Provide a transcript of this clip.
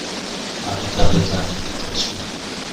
همه تغییر دهند، لطفا.